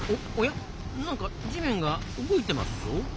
なんか地面が動いてますぞ。